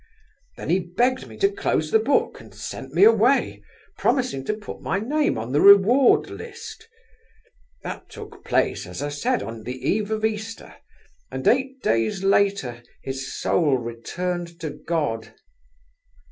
Then he begged me to close the book, and sent me away, promising to put my name on the reward list. That took place as I said on the eve of Easter, and eight days later his soul returned to God."